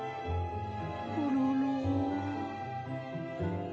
コロロ。